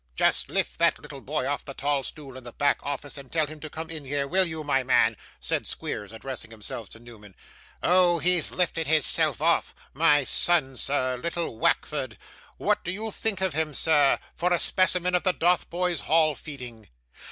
Just lift that little boy off the tall stool in the back office, and tell him to come in here, will you, my man?' said Squeers, addressing himself to Newman. 'Oh, he's lifted his self off. My son, sir, little Wackford. What do you think of him, sir, for a specimen of the Dotheboys Hall feeding?